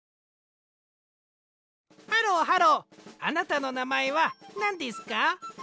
ハローハローあなたのなまえはなんですか？